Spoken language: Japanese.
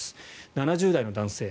７０代の男性。